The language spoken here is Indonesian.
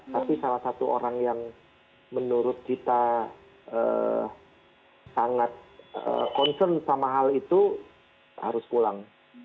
tapi salah satu orang yang menurut kita sangat concern sama hal itu harus pulang